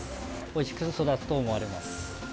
おいしく育つと思われます。